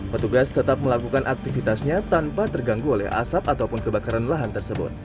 petugas tetap melakukan aktivitasnya tanpa terganggu oleh asap ataupun kebakaran lahan tersebut